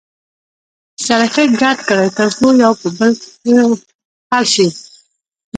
سره ښه ګډ کړئ تر څو یو په بل کې ښه حل شي.